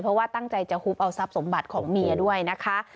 เพราะว่าตั้งใจจะฮุบเอาทรัพย์สมบัติของเมียด้วยนะคะ